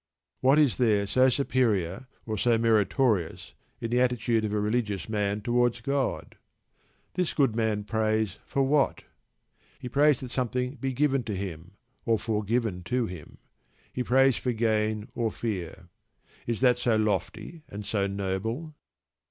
What is there so superior or so meritorious in the attitude of a religious man towards God? This good man prays: for what? He prays that something be given to him or forgiven to him. He prays for gain or fear. Is that so lofty and so noble?